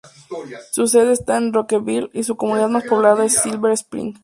Su sede está en Rockville, y su comunidad más poblada en Silver Spring.